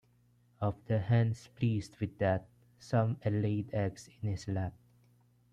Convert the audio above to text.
Of the hens pleased with that, Some laid eggs in his lap.